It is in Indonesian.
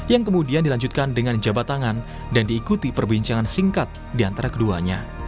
yang kemudian dilanjutkan dengan jabat tangan dan diikuti perbincangan singkat di antara keduanya